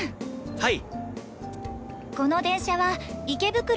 はい。